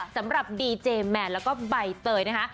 สำหรับดีเจม่ะและใบเตยนะคะ